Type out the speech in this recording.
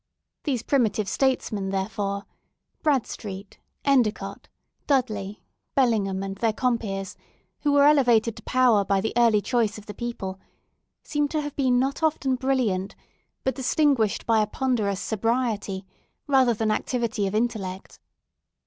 These primitive statesmen, therefore—Bradstreet, Endicott, Dudley, Bellingham, and their compeers—who were elevated to power by the early choice of the people, seem to have been not often brilliant, but distinguished by a ponderous sobriety, rather than activity of intellect.